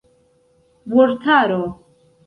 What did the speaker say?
vortaro